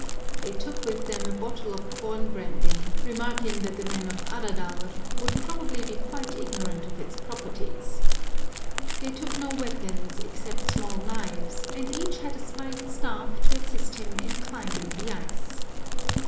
They took with them a bottle of com brandy, remarking that the men of Aradalr would probably be quite ignorant of its properties. They took no weapons, except small knives, and each had a spiked staff, to assist him in climbing the ice.